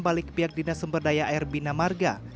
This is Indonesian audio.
balik pihak dinas sumberdaya air bina marga